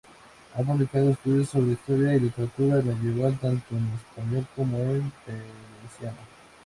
Ha publicado estudios sobre historia y literatura medieval, tanto en español como en valenciano.